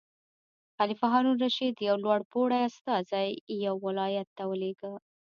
خلیفه هارون الرشید یو لوړ پوړی استازی یو ولایت ته ولېږه.